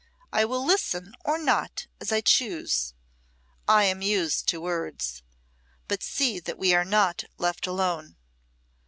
I will listen or not as I choose. I am used to words. But see that we are not left alone."